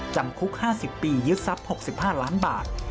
จำคุก๕๐ปียึดทรัพย์๖๕ล้านบาท